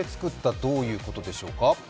どういうことでしょう。